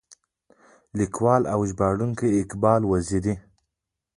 ليکوال او ژباړونکی اقبال وزيري.